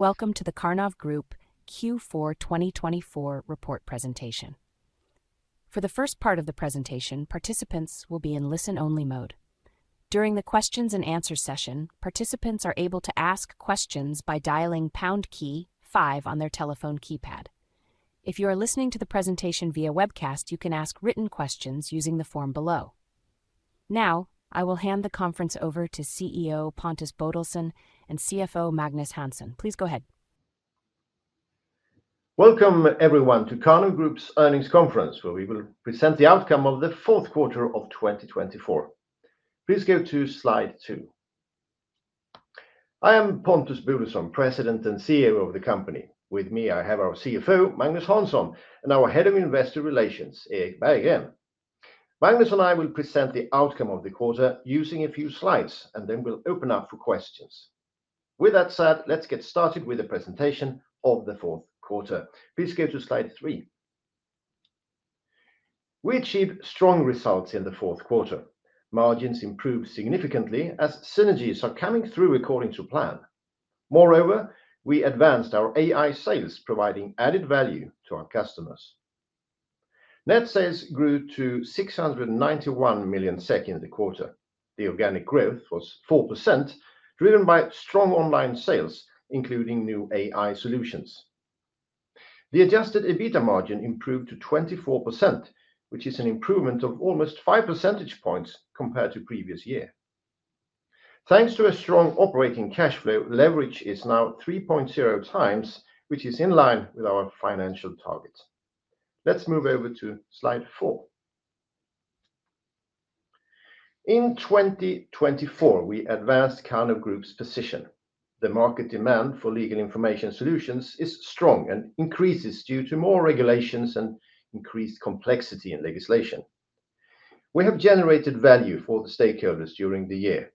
Welcome to the Karnov Group Q4 2024 report presentation. For the first part of the presentation, participants will be in listen-only mode. During the Q&A session, participants are able to ask questions by dialing #5 on their telephone keypad. If you are listening to the presentation via webcast, you can ask written questions using the form below. Now, I will hand the conference over to CEO Pontus Bodelsson and CFO Magnus Hansson. Please go ahead. Welcome, everyone, to Karnov Group's earnings conference, where we will present the outcome of the fourth quarter of 2024. Please go to slide two. I am Pontus Bodelsson, President and CEO of the company. With me, I have our CFO, Magnus Hansson, and our Head of Investor Relations, Erik Berggren. Magnus and I will present the outcome of the quarter using a few slides, and then we'll open up for questions. With that said, let's get started with the presentation of the fourth quarter. Please go to slide three. We achieved strong results in the fourth quarter. Margins improved significantly as synergies are coming through according to plan. Moreover, we advanced our AI sales, providing added value to our customers. Net sales grew to 691 million in the quarter. The organic growth was 4%, driven by strong online sales, including new AI solutions. The adjusted EBITDA margin improved to 24%, which is an improvement of almost 5 percentage points compared to the previous year. Thanks to a strong operating cash flow, leverage is now 3.0 times, which is in line with our financial target. Let's move over to slide four. In 2024, we advanced Karnov Group's position. The market demand for legal information solutions is strong and increases due to more regulations and increased complexity in legislation. We have generated value for the stakeholders during the year.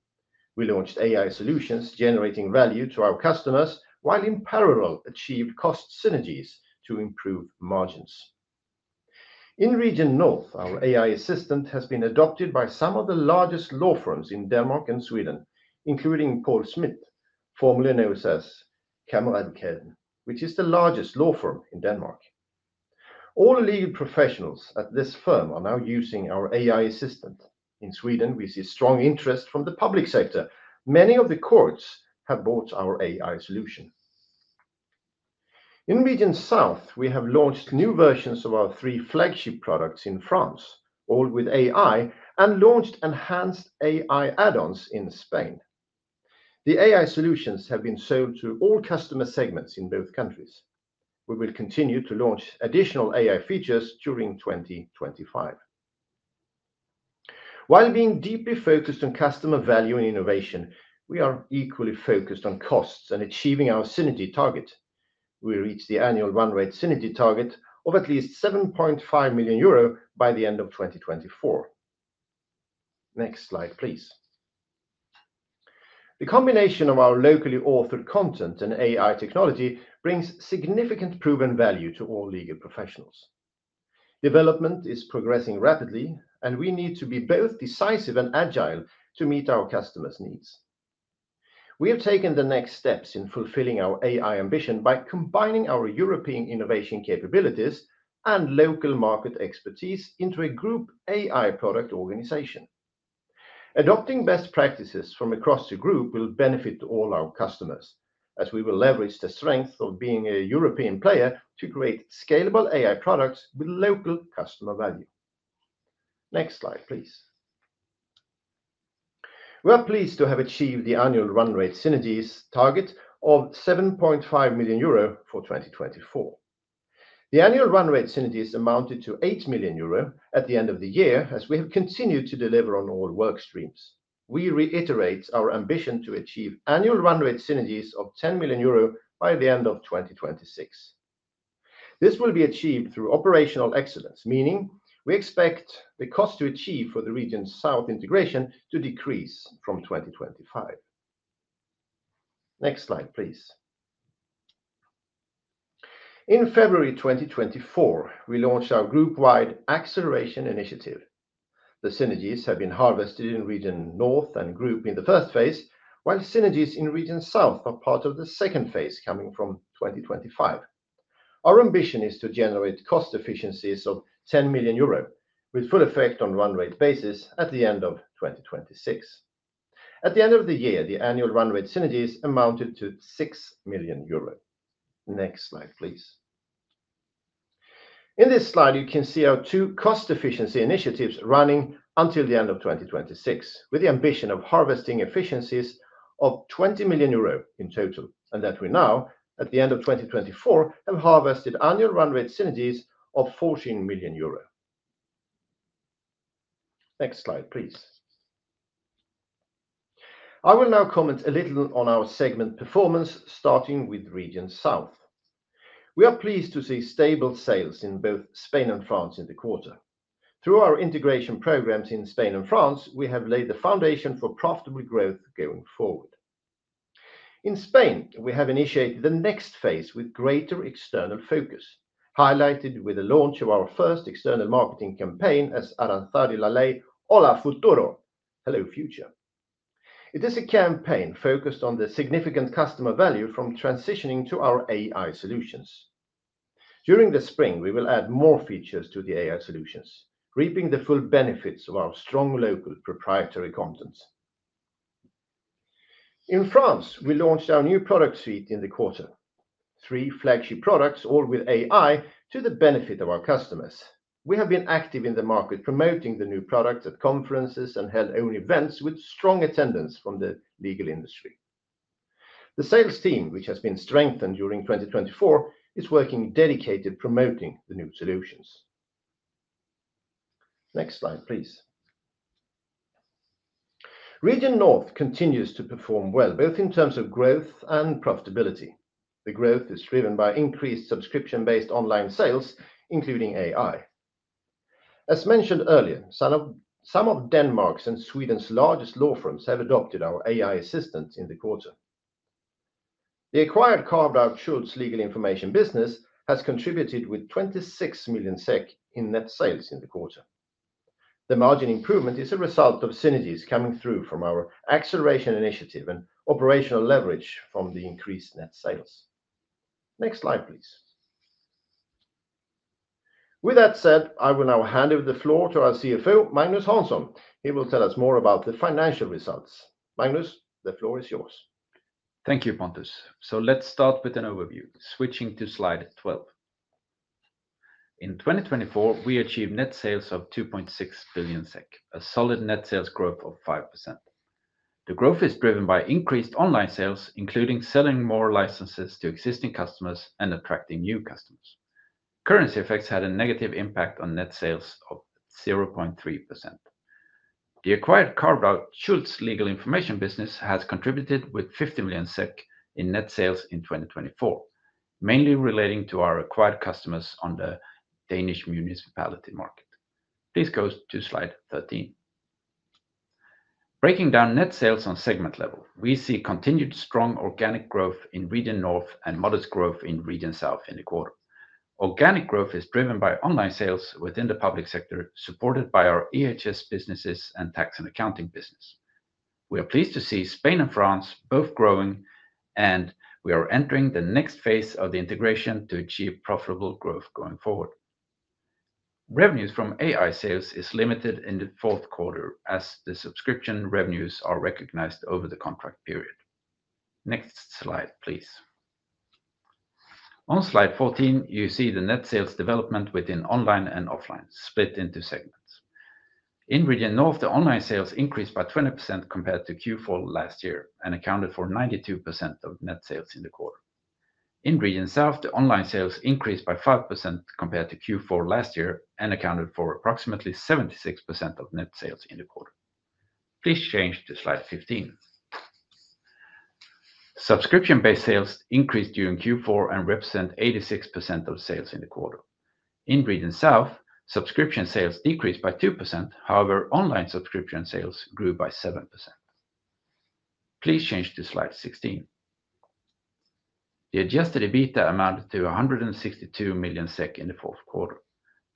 We launched AI solutions generating value to our customers while in parallel achieved cost synergies to improve margins. In Region North, our AI assistant has been adopted by some of the largest law firms in Denmark and Sweden, including Poul Schmith, formerly known as Kammeradvokaten, which is the largest law firm in Denmark. All legal professionals at this firm are now using our AI assistant. In Sweden, we see strong interest from the public sector. Many of the courts have bought our AI solution. In Region South, we have launched new versions of our three flagship products in France, all with AI, and launched enhanced AI add-ons in Spain. The AI solutions have been sold to all customer segments in both countries. We will continue to launch additional AI features during 2025. While being deeply focused on customer value and innovation, we are equally focused on costs and achieving our synergy target. We reached the annual run rate synergy target of at least 7.5 million euro by the end of 2024. Next slide, please. The combination of our locally authored content and AI technology brings significant proven value to all legal professionals. Development is progressing rapidly, and we need to be both decisive and agile to meet our customers' needs. We have taken the next steps in fulfilling our AI ambition by combining our European innovation capabilities and local market expertise into a group AI product organization. Adopting best practices from across the group will benefit all our customers, as we will leverage the strength of being a European player to create scalable AI products with local customer value. Next slide, please. We are pleased to have achieved the annual run rate synergies target of 7.5 million euro for 2024. The annual run rate synergies amounted to 8 million euro at the end of the year, as we have continued to deliver on all work streams. We reiterate our ambition to achieve annual run rate synergies of 10 million euro by the end of 2026. This will be achieved through operational excellence, meaning we expect the cost to achieve for the Region South integration to decrease from 2025. Next slide, please. In February 2024, we launched our group-wide acceleration initiative. The synergies have been harvested in Region North and Group in the first phase, while synergies in Region South are part of the second phase coming from 2025. Our ambition is to generate cost efficiencies of 10 million euro with full effect on run rate basis at the end of 2026. At the end of the year, the annual run rate synergies amounted to 6 million euro. Next slide, please. In this slide, you can see our two cost efficiency initiatives running until the end of 2026, with the ambition of harvesting efficiencies of 20 million euro in total, and that we now, at the end of 2024, have harvested annual run rate synergies of 14 million euro. Next slide, please. I will now comment a little on our segment performance, starting with Region South. We are pleased to see stable sales in both Spain and France in the quarter. Through our integration programs in Spain and France, we have laid the foundation for profitable growth going forward. In Spain, we have initiated the next phase with greater external focus, highlighted with the launch of our first external marketing campaign as Aranzadi LA LEY, Hola Futuro, Hello Future. It is a campaign focused on the significant customer value from transitioning to our AI solutions. During the spring, we will add more features to the AI solutions, reaping the full benefits of our strong local proprietary content. In France, we launched our new product suite in the quarter, three flagship products, all with AI, to the benefit of our customers. We have been active in the market, promoting the new product at conferences and held own events with strong attendance from the legal industry. The sales team, which has been strengthened during 2024, is working dedicatedly promoting the new solutions. Next slide, please. Region North continues to perform well, both in terms of growth and profitability. The growth is driven by increased subscription-based online sales, including AI. As mentioned earlier, some of Denmark's and Sweden's largest law firms have adopted our AI assistant in the quarter. The acquired carve-out Schultz legal information business has contributed with 26 million SEK in net sales in the quarter. The margin improvement is a result of synergies coming through from our acceleration initiative and operational leverage from the increased net sales. Next slide, please. With that said, I will now hand over the floor to our CFO, Magnus Hansson. He will tell us more about the financial results. Magnus, the floor is yours. Thank you, Pontus. So let's start with an overview, switching to slide 12. In 2024, we achieved net sales of 2.6 billion SEK, a solid net sales growth of 5%. The growth is driven by increased online sales, including selling more licenses to existing customers and attracting new customers. Currency effects had a negative impact on net sales of 0.3%. The acquired carve-out Schultz Legal Information business has contributed with 50 million SEK in net sales in 2024, mainly relating to our acquired customers on the Danish municipality market. Please go to slide 13. Breaking down net sales on segment level, we see continued strong organic growth in Region North and modest growth in Region South in the quarter. Organic growth is driven by online sales within the public sector, supported by our EHS businesses and tax and accounting business. We are pleased to see Spain and France both growing, and we are entering the next phase of the integration to achieve profitable growth going forward. Revenues from AI sales are limited in the fourth quarter, as the subscription revenues are recognized over the contract period. Next slide, please. On slide 14, you see the net sales development within online and offline, split into segments. In Region North, the online sales increased by 20% compared to Q4 last year and accounted for 92% of net sales in the quarter. In Region South, the online sales increased by 5% compared to Q4 last year and accounted for approximately 76% of net sales in the quarter. Please change to slide 15. Subscription-based sales increased during Q4 and represent 86% of sales in the quarter. In Region South, subscription sales decreased by 2%. However, online subscription sales grew by 7%. Please change to slide 16. The Adjusted EBITDA amounted to 162 million SEK in the fourth quarter.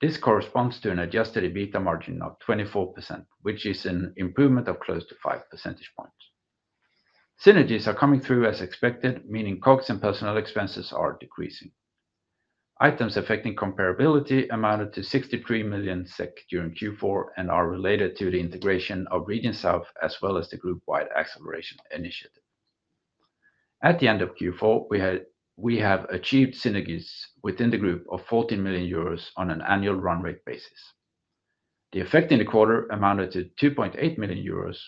This corresponds to an Adjusted EBITDA margin of 24%, which is an improvement of close to 5 percentage points. Synergies are coming through as expected, meaning COGS and personal expenses are decreasing. Items affecting comparability amounted to 63 million SEK during Q4 and are related to the integration of Region South as well as the group-wide acceleration initiative. At the end of Q4, we have achieved synergies within the group of 14 million euros on an annual run rate basis. The effect in the quarter amounted to 2.8 million euros.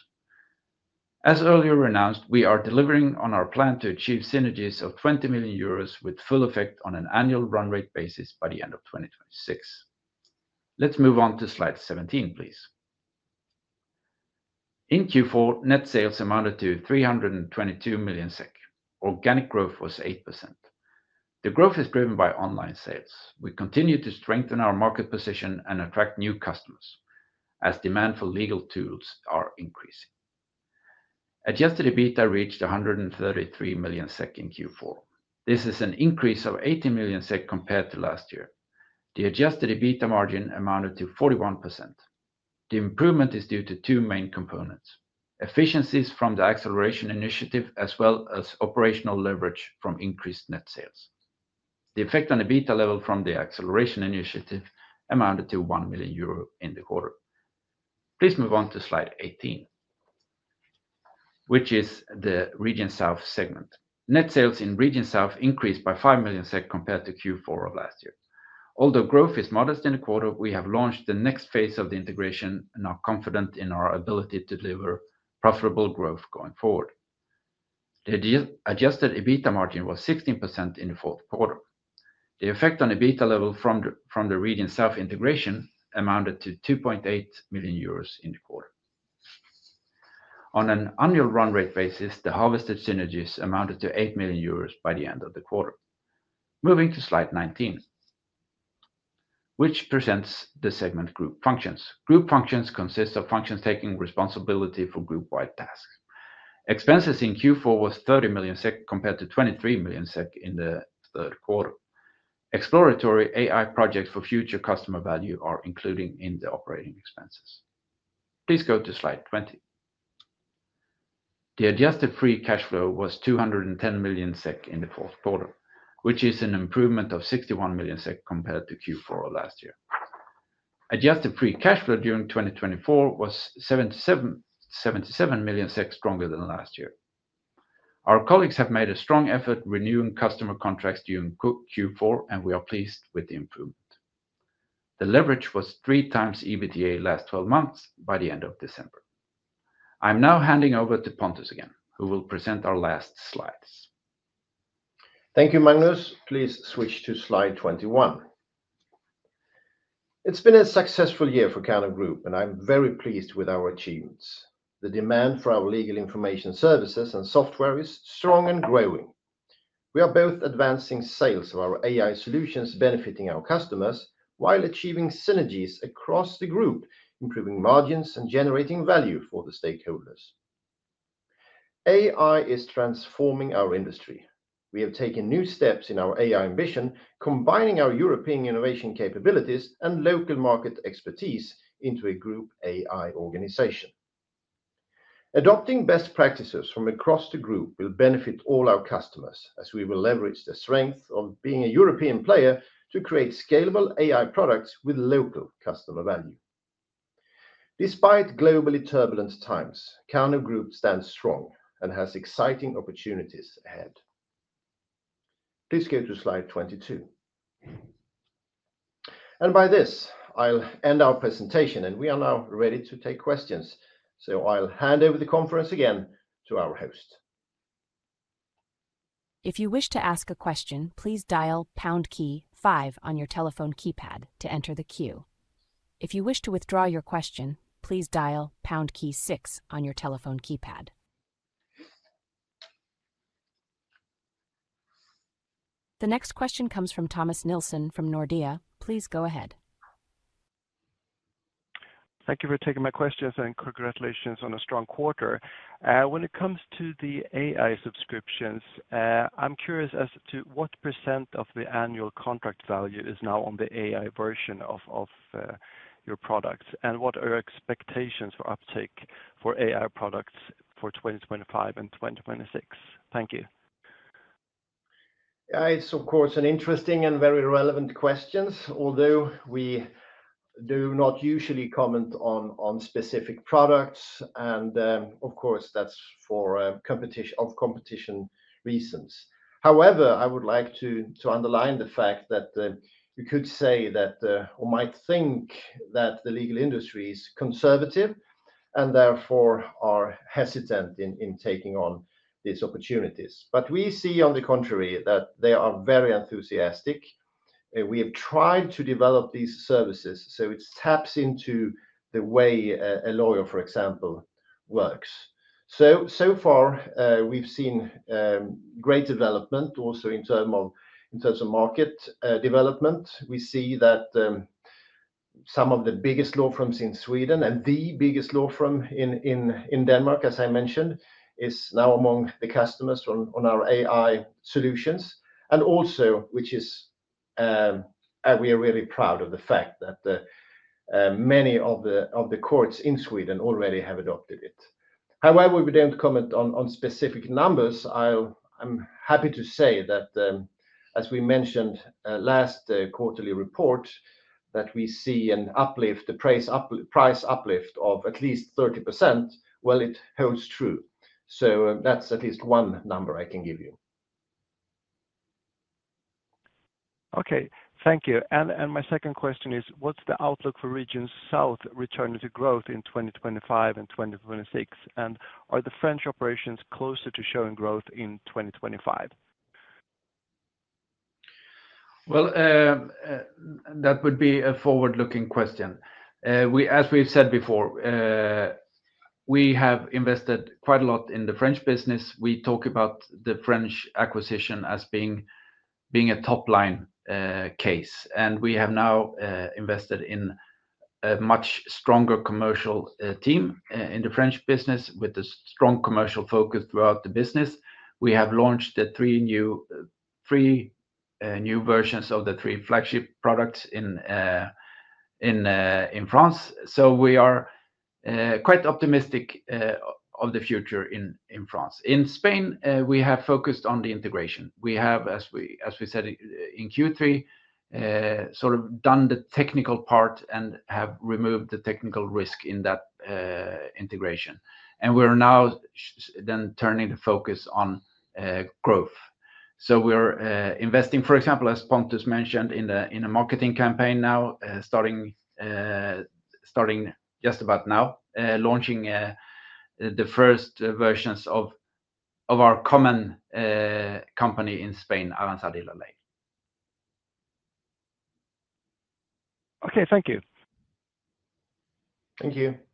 As earlier announced, we are delivering on our plan to achieve synergies of 20 million euros with full effect on an annual run rate basis by the end of 2026. Let's move on to slide 17, please. In Q4, net sales amounted to 322 million SEK. Organic growth was 8%. The growth is driven by online sales. We continue to strengthen our market position and attract new customers as demand for legal tools is increasing. Adjusted EBITDA reached 133 million SEK in Q4. This is an increase of 80 million SEK compared to last year. The adjusted EBITDA margin amounted to 41%. The improvement is due to two main components: efficiencies from the acceleration initiative as well as operational leverage from increased net sales. The effect on EBITDA level from the acceleration initiative amounted to 1 million euro in the quarter. Please move on to slide 18, which is the Region South segment. Net sales in Region South increased by 5 million SEK compared to Q4 of last year. Although growth is modest in the quarter, we have launched the next phase of the integration and are confident in our ability to deliver profitable growth going forward. The adjusted EBITDA margin was 16% in the fourth quarter. The effect on EBITDA level from the Region South integration amounted to 2.8 million euros in the quarter. On an annual run rate basis, the harvested synergies amounted to 8 million euros by the end of the quarter. Moving to slide 19, which presents the segment Group Functions. Group Functions consist of functions taking responsibility for group-wide tasks. Expenses in Q4 were 30 million SEK compared to 23 million SEK in the third quarter. Exploratory AI projects for future customer value are included in the operating expenses. Please go to slide 20. The Adjusted Free Cash Flow was 210 million SEK in the fourth quarter, which is an improvement of 61 million SEK compared to Q4 of last year. Adjusted Free Cash Flow during 2024 was 77 million stronger than last year. Our colleagues have made a strong effort renewing customer contracts during Q4, and we are pleased with the improvement. The leverage was three times EBITDA last 12 months by the end of December. I'm now handing over to Pontus again, who will present our last slides. Thank you, Magnus. Please switch to slide 21. It's been a successful year for Karnov Group, and I'm very pleased with our achievements. The demand for our legal information services and software is strong and growing. We are both advancing sales of our AI solutions benefiting our customers while achieving synergies across the group, improving margins and generating value for the stakeholders. AI is transforming our industry. We have taken new steps in our AI ambition, combining our European innovation capabilities and local market expertise into a group AI organization. Adopting best practices from across the group will benefit all our customers as we will leverage the strength of being a European player to create scalable AI products with local customer value. Despite globally turbulent times, Karnov Group stands strong and has exciting opportunities ahead. Please go to slide 22. By this, I'll end our presentation, and we are now ready to take questions. I'll hand over the conference again to our host. If you wish to ask a question, please dial pound key 5 on your telephone keypad to enter the queue. If you wish to withdraw your question, please dial pound key 6 on your telephone keypad. The next question comes from Thomas Nielsen from Nordea. Please go ahead. Thank you for taking my questions and congratulations on a strong quarter. When it comes to the AI subscriptions, I'm curious as to what percent of the annual contract value is now on the AI version of your products and what are your expectations for uptake for AI products for 2025 and 2026? Thank you. It's, of course, an interesting and very relevant question, although we do not usually comment on specific products, and of course, that's for competition reasons. However, I would like to underline the fact that you could say that or might think that the legal industry is conservative and therefore are hesitant in taking on these opportunities. But we see, on the contrary, that they are very enthusiastic. We have tried to develop these services, so it taps into the way a lawyer, for example, works. So far, we've seen great development also in terms of market development. We see that some of the biggest law firms in Sweden and the biggest law firm in Denmark, as I mentioned, are now among the customers on our AI solutions. And also, which is, we are really proud of the fact that many of the courts in Sweden already have adopted it. However, we don't comment on specific numbers. I'm happy to say that, as we mentioned last quarterly report, that we see an uplift, a price uplift of at least 30%. Well, it holds true. So that's at least one number I can give you. Okay, thank you. And my second question is, what's the outlook for Region South returning to growth in 2025 and 2026? And are the French operations closer to showing growth in 2025? That would be a forward-looking question. As we've said before, we have invested quite a lot in the French business. We talk about the French acquisition as being a top-line case. We have now invested in a much stronger commercial team in the French business with a strong commercial focus throughout the business. We have launched the three new versions of the three flagship products in France. We are quite optimistic about the future in France. In Spain, we have focused on the integration. We have, as we said in Q3, sort of done the technical part and have removed the technical risk in that integration. We're now then turning the focus on growth. We're investing, for example, as Pontus mentioned, in a marketing campaign now, starting just about now, launching the first versions of our common company in Spain, Aranzadi LA LEY. Okay, thank you. Thank you.